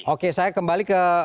oke saya kembali ke